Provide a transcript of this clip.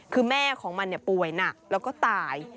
คือแม่ของมันป่วยหนักแล้วก็ตาย